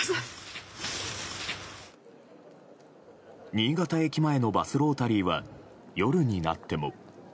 新潟駅前のバスロータリーは夜になっても。